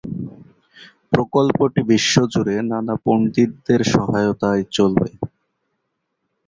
প্রকল্পটি বিশ্বজুড়ে নানা পণ্ডিতদের সহায়তায় চলবে।